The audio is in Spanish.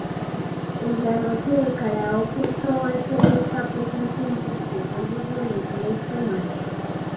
En la noche del karaoke, todo el pueblo está presente interpretando sus mejores temas.